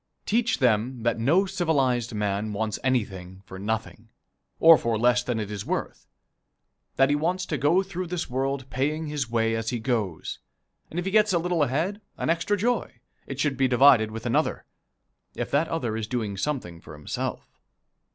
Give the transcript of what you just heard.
Teach them that no civilized man wants anything for nothing, or for less than it is worth; that he wants to go through this world paying his way as he goes, and if he gets a little ahead, an extra joy, it should be divided with another, if that other is doing something for himself.